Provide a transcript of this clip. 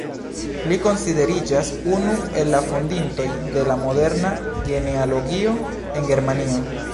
Li konsideriĝas unu el la fondintoj de la moderna genealogio en Germanio.